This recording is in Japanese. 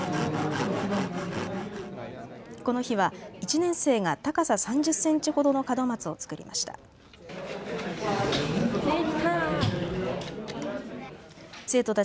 この日は１年生が高さ３０センチほどの門松を作りました。